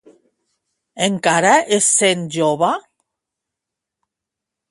Encara es sent jove?